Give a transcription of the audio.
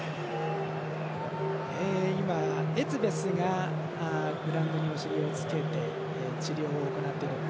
今、エツベスがグラウンドの後ろに下がって治療を行っている。